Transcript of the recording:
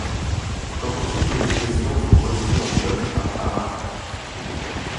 Ces tentatives de médiations sont rejetées en bloc par Arafat.